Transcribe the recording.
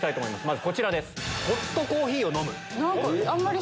まずこちらです。